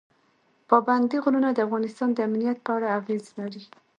پابندي غرونه د افغانستان د امنیت په اړه اغېز لري.